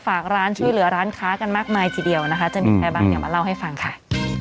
ฝากร้านช่วยเหลือร้านพาได้มากมายทีเดียวนะคะจะมีแค่ฟังเพลิงมาเล่าให้ฟังค่ะ